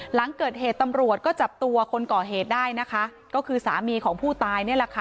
หลังเกิดเหตุตำรวจก็จับตัวคนก่อเหตุได้ก็คือสามีของผู้ตาย